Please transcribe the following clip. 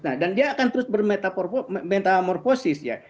nah dan dia akan terus bermetamorfosis ya